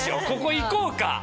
ここいこうか？